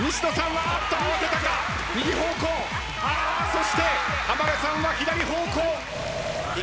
そして浜辺さんは左方向。